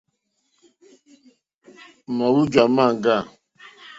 Màwújà máŋɡâ.